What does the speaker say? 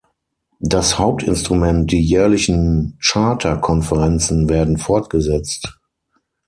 Das Hauptinstrument, die jährlichen Charta-Konferenzen, werden fortgesetzt.